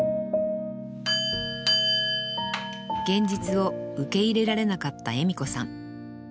現実を受け入れられなかった恵美子さん。